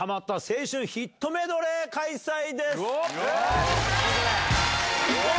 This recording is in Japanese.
青春ヒットメドレー開催です。うお！